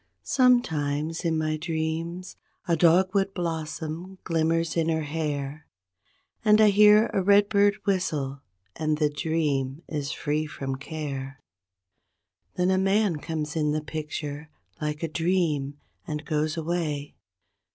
Sometimes in my dreams, a dogwood blossom glim¬ mers in her hair. And I hear a redbird whistle, and the dream is free from care— Then a man comes in the picture, like a dream, and goes away.